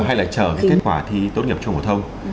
hay là chờ cái kết quả thì tốt nhập trường phổ thông